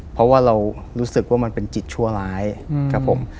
เพราะว่าเรารู้สึกว่ามันเป็นจิตชั่วร้ายครับผม